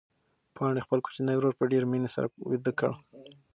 پاڼې خپل کوچنی ورور په ډېرې مینې سره ویده کړ.